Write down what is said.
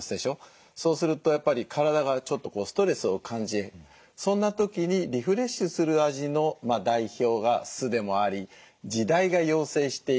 そうするとやっぱり体がちょっとこうストレスを感じそんな時にリフレッシュする味の代表が酢でもあり時代が要請している。